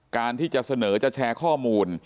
การที่จะเสนอจะแชร์ข้อมูล